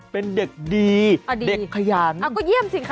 เป็นเด็กดีเด็กขยันก็เยี่ยมสิคะ